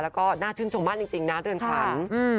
แล้วก็น่าชื่นชมมากจริงนะเรือนขวัญ